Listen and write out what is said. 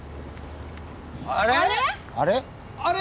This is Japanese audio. あれ！？